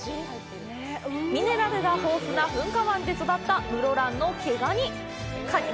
ミネラルが豊富な噴火湾で育った室蘭の毛ガニ。